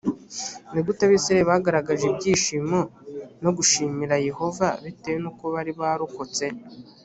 ni gute abisirayeli bagaragaje ibyishimo no gushimira yehova bitewe n uko bari barokotse